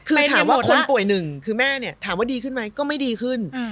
คือถามว่าคนป่วยหนึ่งคือแม่เนี่ยถามว่าดีขึ้นไหมก็ไม่ดีขึ้น